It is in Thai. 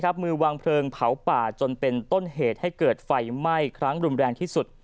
มือวางเพลิงเผาป่าจนเป็นต้นเหตุให้เกิดไฟไหม้ครั้งรุนแรงที่สุด